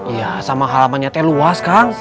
iya sama halamannya luas kang